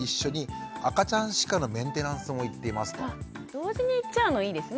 同時に行っちゃうのいいですね。